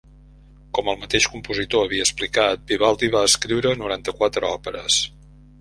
Com el mateix compositor havia explicat, Vivaldi va escriure noranta-quatre òperes.